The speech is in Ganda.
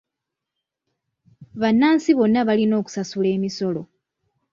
Bannansi bonna balina okusasula emisolo.